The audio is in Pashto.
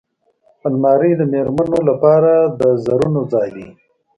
الماري د مېرمنو لپاره د زرونو ځای دی